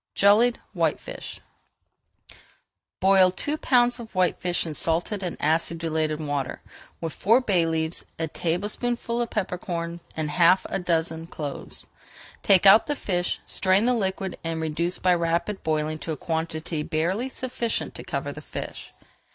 JELLIED WHITEFISH Boil two pounds of whitefish in salted and acidulated water, with four bay leaves, a tablespoonful of pepper corns, and half a dozen cloves. Take out the fish, strain the liquid, and reduce by rapid boiling to a quantity barely sufficient to cover the fish.